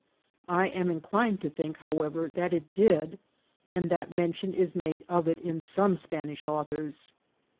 I am inclined to think, however, that it did, and that mention is made of it in some Spanish authors.